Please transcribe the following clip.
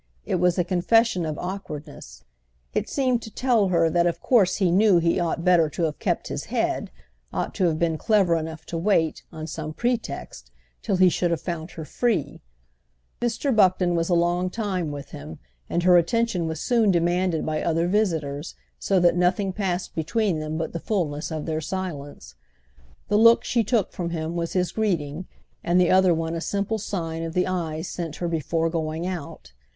It was a confession of awkwardness; it seemed to tell her that of course he knew he ought better to have kept his head, ought to have been clever enough to wait, on some pretext, till he should have found her free. Mr. Buckton was a long time with him, and her attention was soon demanded by other visitors; so that nothing passed between them but the fulness of their silence. The look she took from him was his greeting, and the other one a simple sign of the eyes sent her before going out.